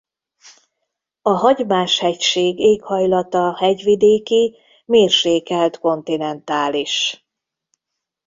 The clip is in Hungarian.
A Hagymás-hegység éghajlata hegyvidéki mérsékelt kontinentális.